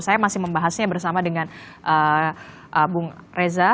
saya masih membahasnya bersama dengan bung reza